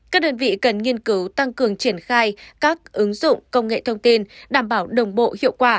các đơn vị cần nghiên cứu tăng cường triển khai các ứng dụng công nghệ thông tin đảm bảo đồng bộ hiệu quả